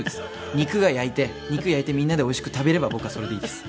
肉焼いて肉焼いてみんなでおいしく食べれば僕はそれでいいです。